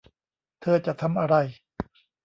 เธอจะทำอะไร